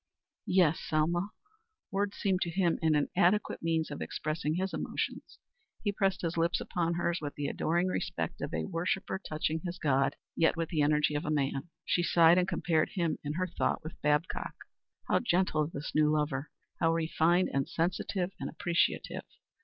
"Yes, Selma." Words seemed to him an inadequate means for expressing his emotions. He pressed his lips upon hers with the adoring respect of a worshipper touching his god, yet with the energy of a man. She sighed and compared him in her thought with Babcock. How gentle this new lover! How refined and sensitive and appreciative!